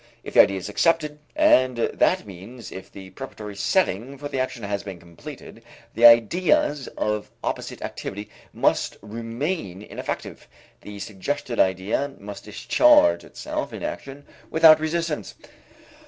If the idea is accepted, and that means, if the preparatory setting for the action has been completed, the ideas of opposite activity must remain ineffective; the suggested idea must discharge itself in action without resistance.